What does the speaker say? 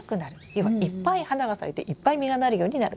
要はいっぱい花が咲いていっぱい実がなるようになるんです。